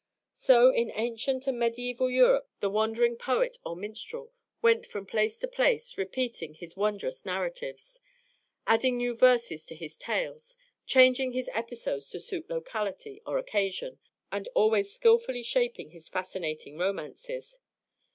So, in ancient and medieval Europe the wandering poet or minstrel went from place to place repeating his wondrous narratives, adding new verses to his tales, changing his episodes to suit locality or occasion, and always skilfully shaping his fascinating romances.